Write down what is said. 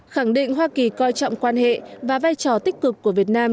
khẳng định hoa kỳ coi trọng quan hệ và vai trò tích cực của việt nam